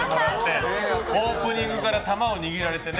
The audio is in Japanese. オープニングからタマを握られてね。